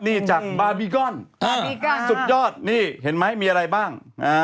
นี่จากบาร์บีกอนสุดยอดนี่เห็นไหมมีอะไรบ้าง